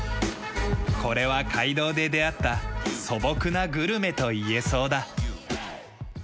これは街道で出会った素朴なグルメと言えそうだ。